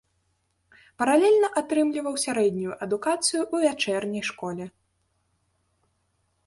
Паралельна атрымліваў сярэднюю адукацыю ў вячэрняй школе.